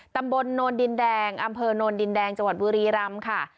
ตำบลโนนดินแดงอำเภอโนนดินแดงจังหวัดบุรีรำค่ะ